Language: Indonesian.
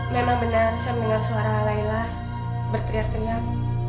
memang benar saya mendengar suara laila berteriak teriak